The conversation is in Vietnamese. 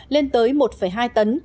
lên tới một hai tấn